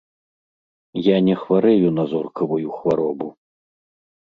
Я не хварэю на зоркавую хваробу.